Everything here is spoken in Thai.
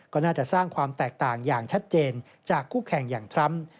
ก็น่าจะสร้างความแตกต่างอย่างชัดเจนจากคู่แข่งอย่างทรัมป์